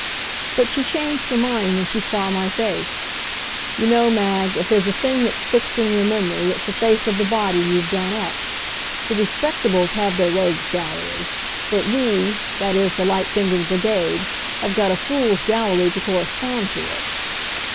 But she changed her mind when she saw my face. You know, Mag, if there's a thing that's fixed in your memory it's the face of the body you've done up. The respectables have their rogues' gallery, but we, that is, the light fingered brigade, have got a fools' gallery to correspond to it.